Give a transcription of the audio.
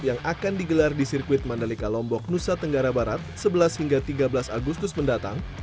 yang akan digelar di sirkuit mandalika lombok nusa tenggara barat sebelas hingga tiga belas agustus mendatang